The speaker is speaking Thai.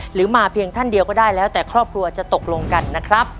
หรือมาเพียงท่านเดียวก็ได้แล้วแต่ครอบครัวจะตกลงกันนะครับ